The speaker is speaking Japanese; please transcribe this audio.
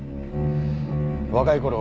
若いころ